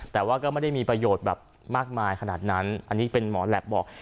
แต่ว่าก็ไม่ได้มีประโยชน์แบบมากมายขนาดนั้นอันนี้เป็นหมอแหลปบอก